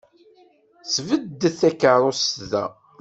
Sbeddet takeṛṛust da!